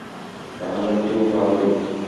তাহলে তো ভালোই।